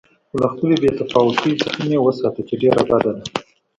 خو له خپلې بې تفاوتۍ څخه مې وساته چې ډېره بده ده.